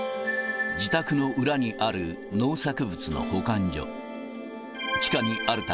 自宅の裏にある農作物の保管